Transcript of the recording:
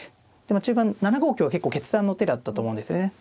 でまあ中盤７五香結構決断の手だったと思うんですよね。